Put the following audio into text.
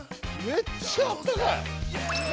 めっちゃあったかい！